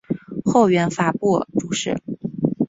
后授法部主事。